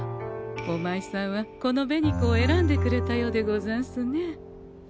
おまいさんはこの紅子を選んでくれたようでござんすね。